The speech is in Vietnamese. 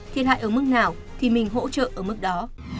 thiệt hại ở mức nào thì mình hỗ trợ ở mức đó